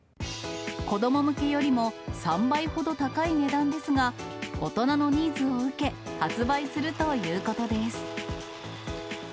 子ども向けよりも３倍ほど高い値段ですが、大人のニーズを受け、発売するということです。